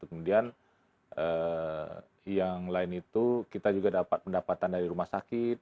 kemudian yang lain itu kita juga dapat pendapatan dari rumah sakit